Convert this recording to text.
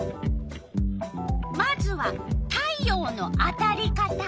まずは「太陽のあたり方」。